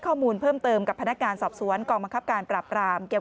ข้อมูลเพิ่มเติมกับพนักงานสอบสวนกองบังคับการปราบรามเกี่ยว